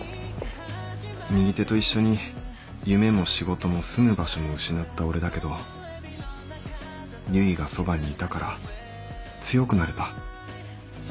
右手と一緒に夢も仕事も住む場所も失った俺だけど唯がそばにいたから強くなれた。